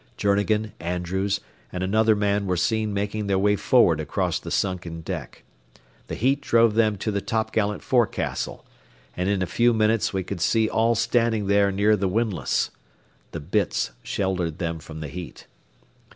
Journegan, Andrews, and another man were seen making their way forward across the sunken deck. The heat drove them to the topgallant forecastle and in a few minutes we could see all standing there near the windlass. The bitts sheltered them from the heat.